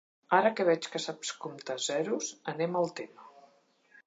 Ara que veig que saps comptar zeros, anem al tema.